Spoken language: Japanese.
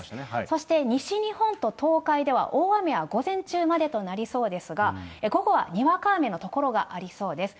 そして西日本と東海では、大雨は午前中までとなりそうですが、午後はにわか雨の所がありそうです。